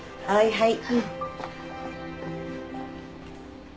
はい。